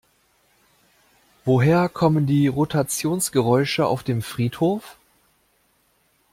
Woher kommen die Rotationsgeräusche auf dem Friedhof?